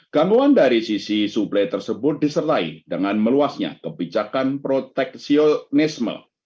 gangguan dari sisi suplai tersebut disertai dengan meluasnya kebijakan proteksionisme